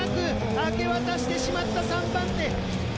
明け渡してしまった３番手！